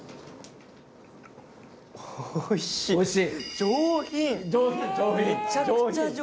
おいしい。